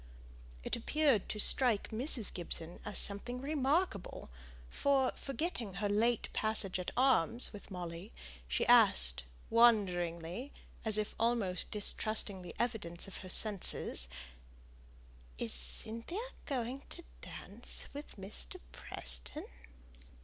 It appeared to strike Mrs. Gibson as something remarkable; for, forgetting her late passage at arms with Molly, she asked, wonderingly, as if almost distrusting the evidence of her senses, "Is Cynthia going to dance with Mr. Preston?"